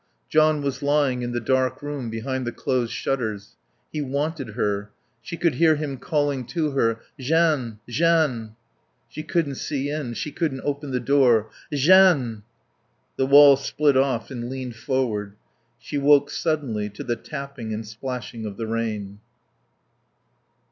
John was lying in the dark room behind the closed shutters. He wanted her. She could hear him calling to her "Jeanne! Jeanne!" She couldn't see in. She couldn't open the door. "Jeanne!" The wall split off and leaned forward. She woke suddenly to the tapping and splashing of the rain.